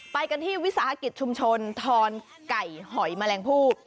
ไปกันที่วิสาหกิจชุมชนทอนไก่หอยแมลงผู้